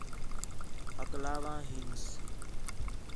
ہکلاواں ہینس